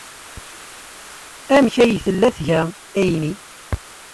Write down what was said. Amek ay tella tga Amy?